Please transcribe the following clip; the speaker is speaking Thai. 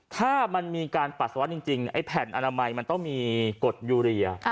ถ้ามันมีการปัสสาวะจริงไอ้แผ่นอนามัยมันต้องมีกฎยูเรีย